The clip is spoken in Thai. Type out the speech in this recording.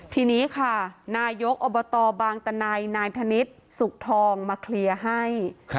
ทีนี้ค่ะนายกอบตบางตะไนนายธนิษฐ์สุขทองมาเคลียร์ให้